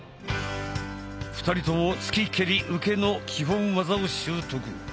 ２人とも突き蹴り受けの基本技を修得。